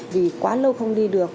vì quá lâu không đi được